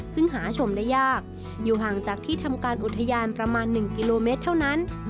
ซึ่งหาชมได้ยากอยู่ห่างจากที่ทำการอุทยานประมาณ๑กิโลเมตรเท่านั้น